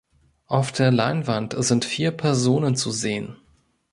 Auf der Leinwand sind vier Personen zu sehen.